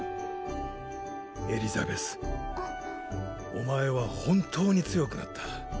お前は本当に強くなった。